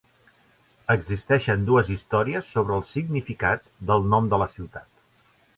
Existeixen dues històries sobre el significat del nom de la ciutat.